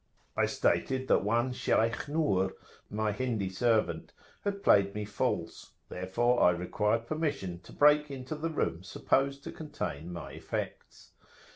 I stated that one Shaykh Nur, my Hindi servant, had played me false; therefore I required permission to break into the room supposed to contain my effects.